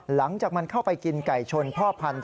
หลังจากมันเข้าไปกินไก่ชนพ่อพันธุ์